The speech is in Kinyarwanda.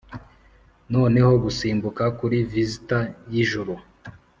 noneho gusimbuka kuri vista yijoro,